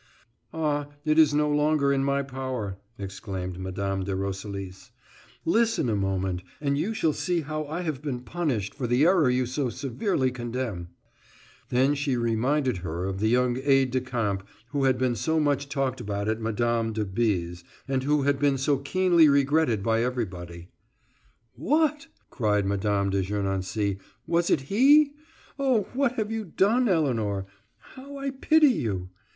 "Ah, it is no longer in my power," exclaimed Mme. de Roselis. "Listen a moment, and you shall see how I have been punished for the error you so severely condemn." Then she reminded her of the young aide de camp who had been so much talked about at Mme. de B.'s, and who had been so keenly regretted by everybody. "What!" cried Mme. de Gernancé, "was it he? Oh, what have you done, Elinor? How I pity you!